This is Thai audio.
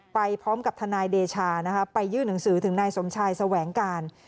ไปพร้อมกับทนายเดชาไปยื่นหนังสือถึงนายสมชายแสวงการ